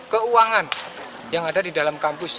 keuangan yang ada di dalam kampus